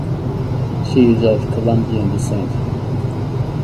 She is of Colombian descent.